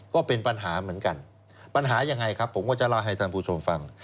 ก็เป็นปัญหาเหมือนกันปัญหายังไงครับผมก็จะเล่าให้ท่านผู้ชมฟัง